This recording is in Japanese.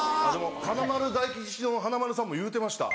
華丸・大吉の華丸さんも言うてました。